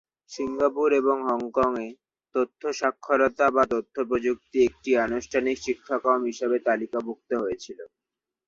সিঙ্গাপুরে এবং হংকংয়ে, তথ্য সাক্ষরতা বা তথ্য প্রযুক্তি একটি আনুষ্ঠানিক শিক্ষাক্রম হিসাবে তালিকাভুক্ত হয়েছিল।